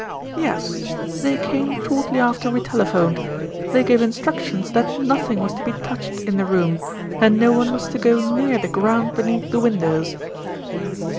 "Yes, they came shortly after we telephoned. They gave instructions that nothing was to be touched in the room, and no one was to go near the ground beneath the windows."